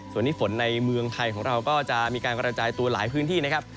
ส่วนนี้ฝนในเมืองไทยของเราก็จะมีการกระจายตัวหลายพื้นที่นะครับ